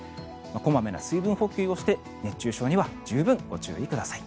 小まめな水分補給をして熱中症には十分ご注意ください。